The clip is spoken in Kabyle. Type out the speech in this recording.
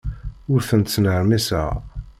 Ur tent-ttnermiseɣ.